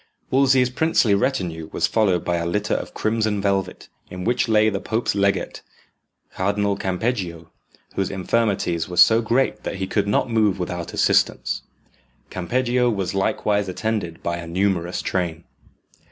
Wolsey's princely retinue was followed by a litter of crimson velvet, in which lay the pope's legate, Cardinal Campeggio, whose infirmities were so great that he could not move without assistance. Campeggio was likewise attended by a numerous train.